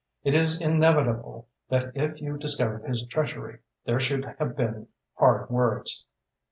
It is inevitable that if you discovered his treachery there should have been hard words.